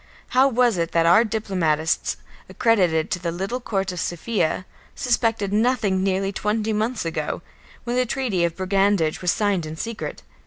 How was it that our diplomatists, accredited to the little court of Sofia, suspected nothing nearly twenty months ago, when the treaty of brigandage was signed in secret?